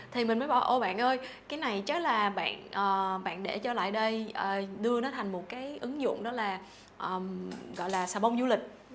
thì mình mới bảo ô bạn ơi cái này chứ là bạn để cho lại đây đưa nó thành một cái ứng dụng đó là gọi là sà bông du lịch